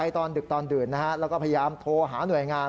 ตอนดึกตอนดื่นแล้วก็พยายามโทรหาหน่วยงาน